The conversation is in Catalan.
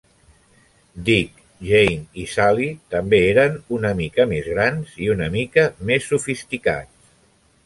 Dick, Jane i Sally també eren una mica més grans i una mica més sofisticats.